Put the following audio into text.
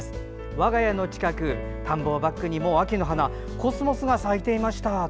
我が家の近く、田んぼをバックにもう秋の花、コスモスが咲いていました。